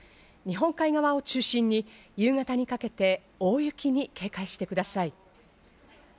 日本海側を中心に夕方にかけて大雪に警戒をしてください。